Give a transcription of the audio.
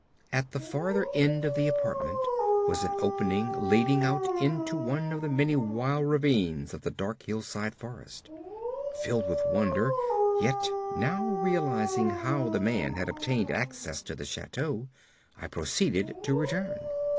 At the farther end of the apartment was an opening leading out into one of the many wild ravines of the dark hillside forest. Filled with wonder, yet now realizing how the man had obtained access to the chateau, I proceeded to return.